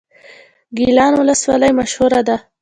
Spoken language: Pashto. ګیلان ولسوالۍ مشهوره ده؟